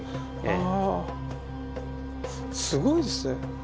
ああすごいですね。